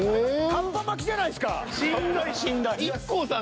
カッパ巻きじゃないですか。